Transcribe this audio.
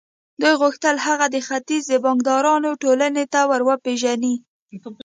دوی غوښتل هغه د ختیځ د بانکدارانو ټولنې ته ور وپېژني